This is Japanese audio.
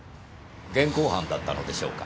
現行犯だったのでしょうか？